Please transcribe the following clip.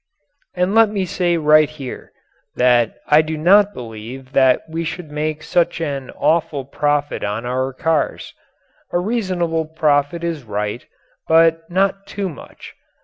And let me say right here, that I do not believe that we should make such an awful profit on our cars. A reasonable profit is right, but not too much.